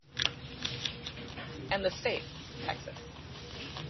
And the state, Texas.